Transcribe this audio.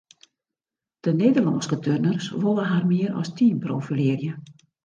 De Nederlânske turners wolle har mear as team profilearje.